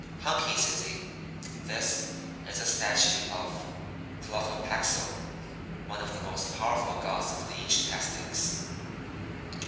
"'Hunky,' says he, 'this is a statue of Tlotopaxl, one of the most powerful gods of the ancient Aztecs.'